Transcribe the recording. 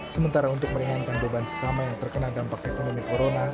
sementara untuk meringankan beban sesama yang terkena dampak ekonomi corona